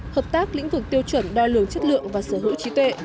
hợp tác lĩnh vực tiêu chuẩn đo lường chất lượng và sở hữu trí tuệ